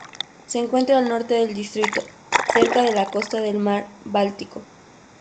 Se encuentra al norte del distrito, cerca de la costa del mar Báltico.